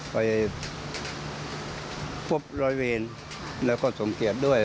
ไปพบร้อยเวรแล้วก็สมเกียจด้วย